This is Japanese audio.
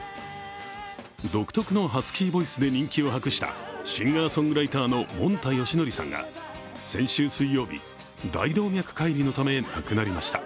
独特のハスキーボイスで人気を博したシンガーソングライターのもんたよしのりさんが先週水曜日、大動脈解離のため亡くなりました。